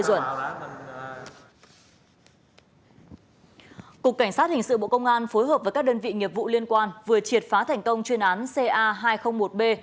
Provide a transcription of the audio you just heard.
cục cảnh sát hình sự bộ công an phối hợp với các đơn vị nghiệp vụ liên quan vừa triệt phá thành công chuyên án ca hai trăm linh một b